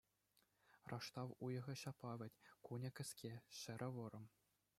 Раштав уйӑхӗ ҫапла вӗт: кунӗ кӗске, ҫӗрӗ вӑрӑм.